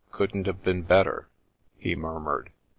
Couldn't have been better," he murmured.